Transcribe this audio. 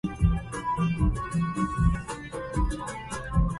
غطِ فمك وأنفك بثني المرفق أو بمنديل ورقي عند السعال أو العطس